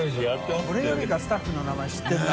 俺よりかスタッフの名前知ってるな。